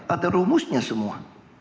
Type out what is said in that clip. ada rumusnya semua